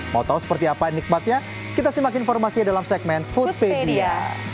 mau tahu seperti apa nikmatnya kita simak informasinya dalam segmen foodpedia